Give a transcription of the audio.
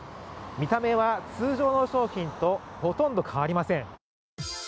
見た目は通常の商品とほとんど変わりません。